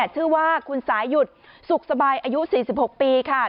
ชื่อว่าคุณสายุดสุขสบายอายุ๔๖ปีค่ะ